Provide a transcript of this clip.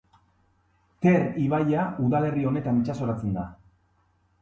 Ter ibaia udalerri honetan itsasoratzen da.